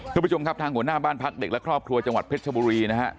คุณผู้ชมครับทางหัวหน้าบ้านพักเด็กและครอบครัวจังหวัดเพชรชบุรีนะฮะ